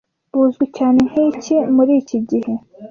buzwi cyane nkiki muri iki gihe